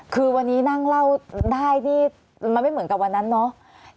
คือวันนี้นั่งเล่าได้นี่มันไม่เหมือนกับวันนั้นเนาะ